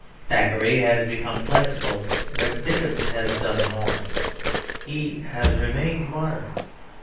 Thackeray has become classical; but Dickens has done more: he has remained modern.